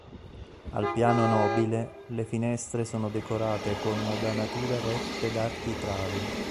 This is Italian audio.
Al piano nobile le finestre sono decorate con modanature rette da architravi.